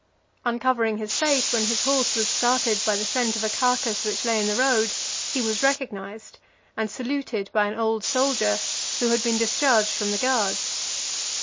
Uncovering his face when his horse was started by the scent of a carcase which lay in the road, he was recognized and saluted by an old soldier who had been discharged from the guards.